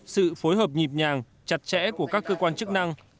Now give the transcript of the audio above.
sự phối hợp nhịp nhàng chặt chẽ của các cơ quan chức năng